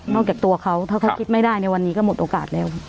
จากตัวเขาถ้าเขาคิดไม่ได้ในวันนี้ก็หมดโอกาสแล้ว